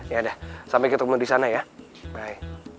yada sampai ketemu disana ya bye